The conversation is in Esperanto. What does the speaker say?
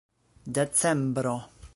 decembro